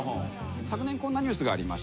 昨年こんなニュースがありました。